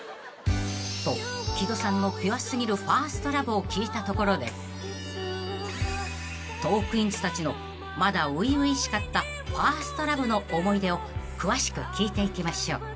［と木戸さんのピュア過ぎるファーストラブを聞いたところでトークィーンズたちのまだ初々しかったファーストラブの思い出を詳しく聞いていきましょう］